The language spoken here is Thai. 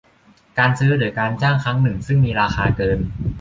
การซื้อหรือการจ้างครั้งหนึ่งซึ่งมีราคาเกิน